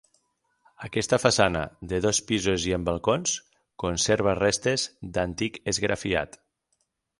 Aquesta façana, de dos pisos i amb balcons conserva restes d'antic esgrafiat.